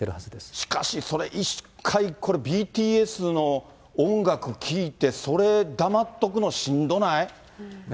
しかしそれ一回ＢＴＳの音楽聴いて、それ、黙っとくのしんどない？